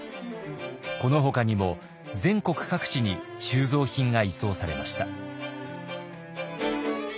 このほかにも全国各地に収蔵品が移送されました。